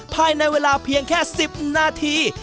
ภายในเวลาเพียงแค่๑๐นาที